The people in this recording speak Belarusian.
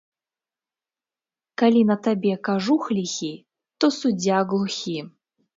Калі на табе кажух ліхі, то суддзя глухі